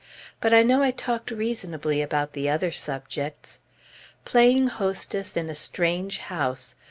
But I know I talked reasonably about the other subjects. Playing hostess in a strange house!